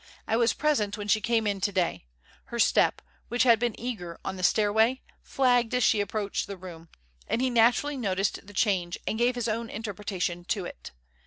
I was present when she came in today. Her step, which had been eager on the stairway, flagged as she approached the room, and he naturally noted the change and gave his own interpretation to it.